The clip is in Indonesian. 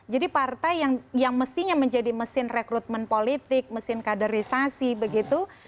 jadi partai yang mestinya menjadi mesin rekrutmen politik mesin kaderisasi begitu